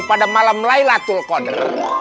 pada malam laylatul koder